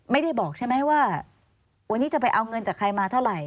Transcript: ไม่ได้บอกใช่ไหมว่า